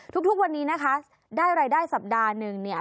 ทุกวันนี้นะคะได้รายได้สัปดาห์หนึ่งเนี่ย